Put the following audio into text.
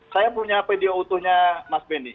saya punya video utuhnya mas benny